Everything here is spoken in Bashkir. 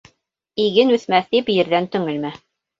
Иген үҫмәҫ тип, ерҙән төңөлмә.